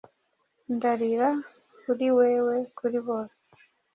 Ndarira, kuri wewe, kuri bose,